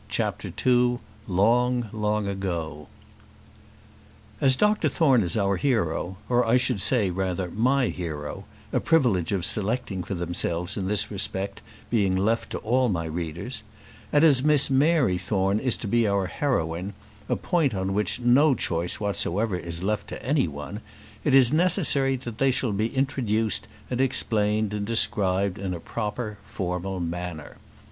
CHAPTER II Long, Long Ago As Dr Thorne is our hero or I should rather say my hero, a privilege of selecting for themselves in this respect being left to all my readers and as Miss Mary Thorne is to be our heroine, a point on which no choice whatsoever is left to any one, it is necessary that they shall be introduced and explained and described in a proper, formal manner.